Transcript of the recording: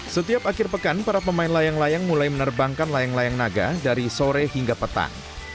setiap akhir pekan para pemain layang layang mulai menerbangkan layang layang naga dari sore hingga petang